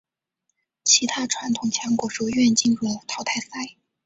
其他传统强国如愿进入了淘汰赛。